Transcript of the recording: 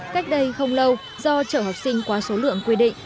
cách đây không lâu do chở học sinh quá số lượng quy định